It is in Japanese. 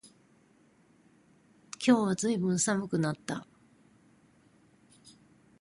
今日はずいぶん寒くなった